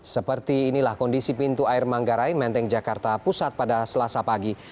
seperti inilah kondisi pintu air manggarai menteng jakarta pusat pada selasa pagi